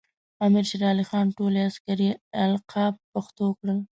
امیر شیر علی خان ټول عسکري القاب پښتو کړل.